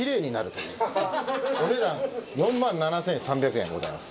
お値段４万７，３００円でございます。